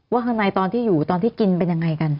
ข้างในตอนที่อยู่ตอนที่กินเป็นยังไงกัน